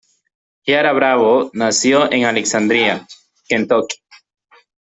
Ciara Bravo nació en Alexandria, Kentucky.